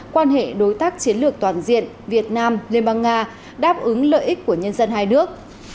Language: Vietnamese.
quan hệ đối tác chiến lược toàn diện việt nam liên bang nga đáp ứng lợi ích của nhân dân hai nước